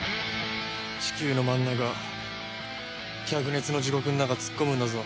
チキューの真ん中灼熱の地獄ん中突っ込むんだぞ。